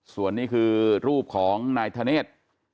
ส่วนนี้คือรูปของนายธเนธ